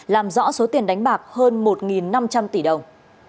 làm rõ số tiền đánh bạc hơn một năm trăm linh tỷ đồng